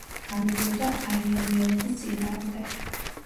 გამოდიოდა არიანელობის წინაარმდეგ.